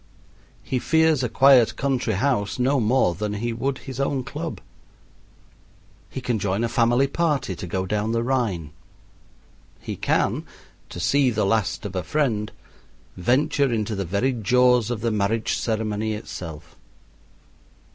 He fears a quiet country house no more than he would his own club. He can join a family party to go down the Rhine. He can, to see the last of a friend, venture into the very jaws of the marriage ceremony itself.